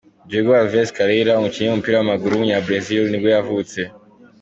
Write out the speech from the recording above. Diego Alves Carreira, umukinnyi w’umupira w’amaguru w’umunyabrazil nibwo yavutse.